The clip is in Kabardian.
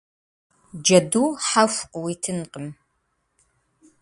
Джэду хьэху къыуитынкъым.